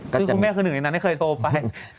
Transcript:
คุณแม่คือหนึ่งเลยนะไม่เคยโทรไป